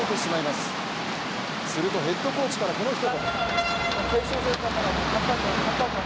するとヘッドコーチからこのひと言。